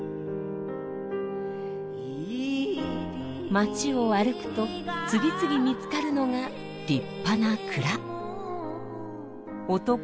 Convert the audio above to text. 街を歩くと次々見つかるのが立派な蔵。